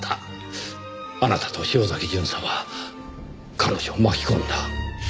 あなたと潮崎巡査は彼女を巻き込んだ。